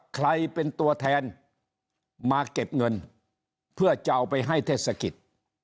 ใครเป็นตัวแทนมาเก็บเงินเพื่อจะเอาไปให้เทศกิจ